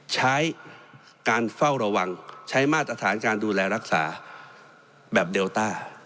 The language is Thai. ใช้การเฝ้าระวังใช้มาตรฐานการดูแลรักษาแบบเดลต้า